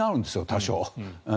多少。